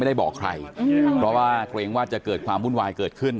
ได้บอกใครเพราะว่าเกรงว่าจะเกิดความวุ่นวายเกิดขึ้น